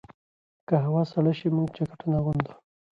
که هوا سړه شي، موږ جاکټونه اغوندو.